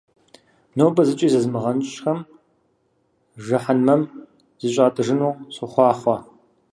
Нобэ зыкӀи зызмыгъэнщӀхэм жыхьэнмэм зыщатӀыжыну сохъуахъуэ!